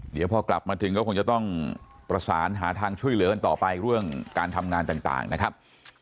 เดี๋ยวพอกลับมาถึงก็คงจะต้องประสานหาทางช่วยเหลือกันต่อไปเรื่องการทำงานต่างนะครับ